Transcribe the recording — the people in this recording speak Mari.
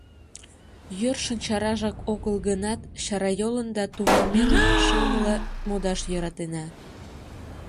Йӧршын чаражак огыл гынат, чарайолын да тувырмелын шылмыла модаш йӧратена.